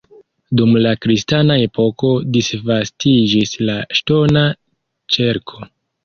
Dum la kristana epoko disvastiĝis la ŝtona ĉerko.